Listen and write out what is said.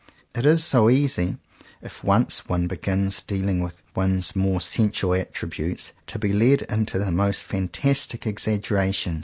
It is so easy, if once one begins dealing with one's more sensual attributes, to be led into the most fantastic exaggeration.